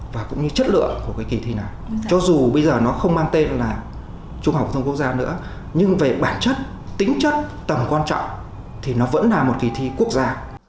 và cũng như chất lượng của cái kỳ thi này cho dù bây giờ nó không mang tên là trung học thông quốc gia nữa nhưng về bản chất tính chất tầm quan trọng thì nó vẫn là một kỳ thi quốc gia